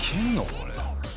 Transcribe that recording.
これ。